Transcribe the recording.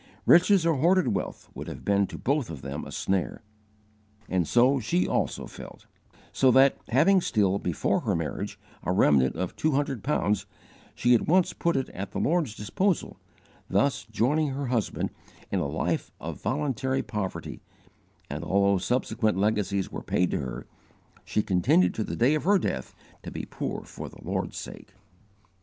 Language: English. Riches or hoarded wealth would have been to both of them a snare, and so she also felt; so that, having still, before her marriage, a remnant of two hundred pounds, she at once put it at the Lord's disposal, thus joining her husband in a life of voluntary poverty; and although subsequent legacies were paid to her, she continued to the day of her death to be poor for the Lord's sake.